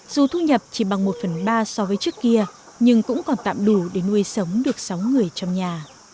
dù thu nhập chỉ bằng một phần ba so với trước kia nhưng cũng còn tạm đủ để nuôi sống được sáu người trong nhà